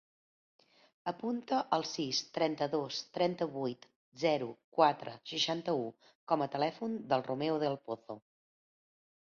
Apunta el sis, trenta-dos, trenta-vuit, zero, quatre, seixanta-u com a telèfon del Romeo Del Pozo.